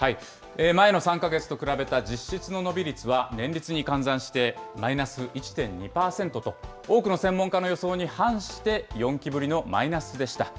前の３か月と比べた実質の伸び率は年率に換算してマイナス１．２％と、多くの専門家の予想に反して、４期ぶりのマイナスでした。